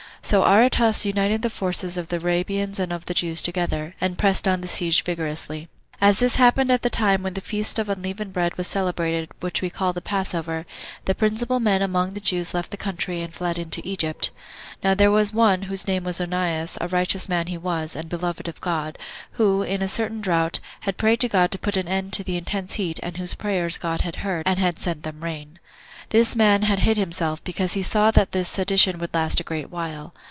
So Aretas united the forces of the Arabians and of the Jews together, and pressed on the siege vigorously. As this happened at the time when the feast of unleavened bread was celebrated, which we call the passover, the principal men among the Jews left the country, and fled into Egypt. Now there was one, whose name was Onias, a righteous man he was, and beloved of God, who, in a certain drought, had prayed to God to put an end to the intense heat, and whose prayers God had heard, and had sent them rain. This man had hid himself, because he saw that this sedition would last a great while.